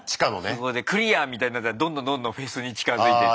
そこでクリアみたいになったらどんどんどんどんフェスに近づいてって。